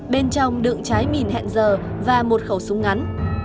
bên trong đựng trái mìn hẹn giờ và một khẩu súng ngắn